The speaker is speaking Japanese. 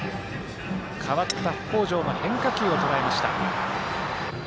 代わった北條の変化球をとらえました。